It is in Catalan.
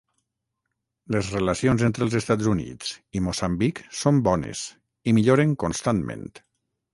Les relacions entre els Estats Units i Moçambic són bones i milloren constantment.